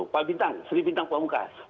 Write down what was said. pak bintang sri bintang pamungkas